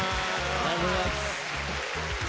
ありがとうございます。